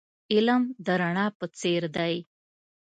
علم د رڼا په څیر دی .